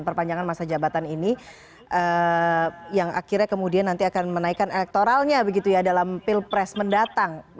perpanjangan masa jabatan ini yang akhirnya kemudian nanti akan menaikkan elektoralnya dalam pil pres mendatang